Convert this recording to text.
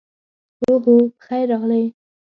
اوهو، پخیر راغلې.